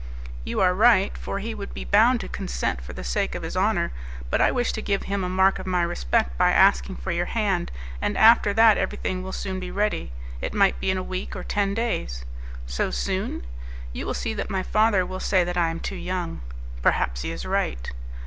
"You are right, for he would be bound to consent for the sake of his honour. But I wish to give him a mark of my respect by asking for your hand, and after that everything will soon be ready. It might be in a week or ten days." "So soon? You will see that my father will say that I am too young." "Perhaps he is right."